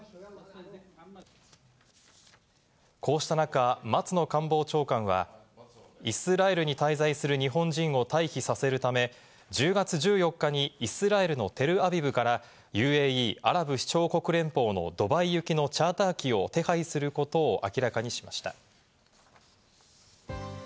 こうした中、松野官房長官は、イスラエルに滞在する日本人を退避させるため、１０月１４日にイスラエルのテルアビブからＵＡＥ＝アラブ首長国連邦のドバイ行きのチャーター機を手配することを明らかにしました。